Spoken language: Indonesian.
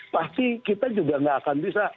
pasti kita juga nggak akan bisa